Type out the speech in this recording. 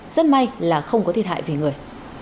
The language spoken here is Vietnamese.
rất may là không có thiệt hại về người